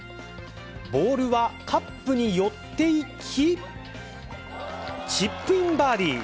ボールはカップに寄っていき、チップインバーディー。